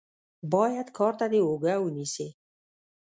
بايد کار ته دې اوږه ونيسې.